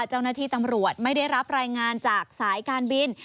เจ้าหน้าที่ตำรวจไม่ได้รับรายงานจากสายการบิน